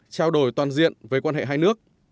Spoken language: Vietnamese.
trao đổi toàn diện với quan hệ hai nước